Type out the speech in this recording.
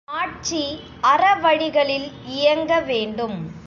ஆட்சி அறவழிகளில் இயங்க வேண்டும்.